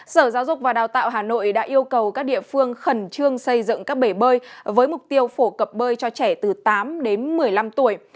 sở giáo dục và đào tạo hà nội đã yêu cầu các địa phương khẩn trương xây dựng các bể bơi với mục tiêu phổ cập bơi cho trẻ từ tám đến một mươi năm tuổi